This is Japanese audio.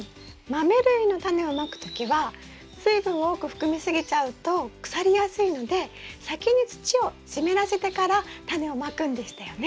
マメ類のタネをまく時は水分を多く含み過ぎちゃうと腐りやすいので先に土を湿らせてからタネをまくんでしたよね？